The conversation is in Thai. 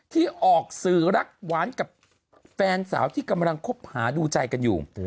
ที่ออกสื่อรักหวานกับแฟนสาวที่กำลังคบหาดูใจกันอยู่